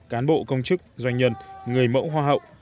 cán bộ công chức doanh nhân người mẫu hoa hậu